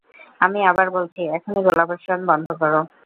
আমি আবার বলছি, এখনই গোলাবর্ষণ বন্ধ করো।